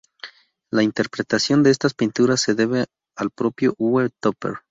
La interpretación de estas pinturas se deben al propio Uwe Topper.